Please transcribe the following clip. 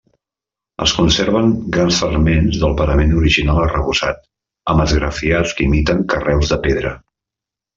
Es conserven grans fragments del parament original arrebossat, amb esgrafiats que imiten carreus de pedra.